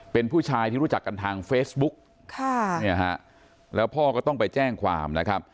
เป็นผู้ชายที่รู้จักกันทางเฟซบุ๊กค่ะเนี่ยฮะแล้วพ่อก็ต้องไปแจ้งความนะครับ